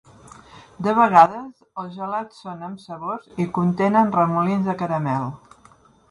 De vegades, els gelats son amb sabors i contenen remolins de caramel.